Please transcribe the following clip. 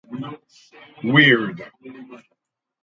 Weird.